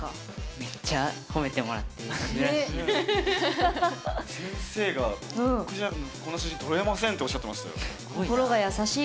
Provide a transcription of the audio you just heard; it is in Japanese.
めっちゃ先生が「僕じゃこの写真撮れません」っておっしゃってましたよ。